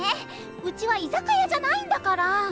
うちは居酒屋じゃないんだから！